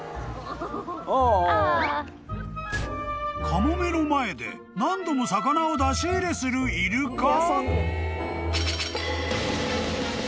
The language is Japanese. ［カモメの前で何度も魚を出し入れするイルカ？］